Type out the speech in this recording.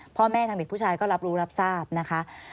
พ่อแม่ทางเด็กผู้ชายก็รับรู้รับทราบนะคะ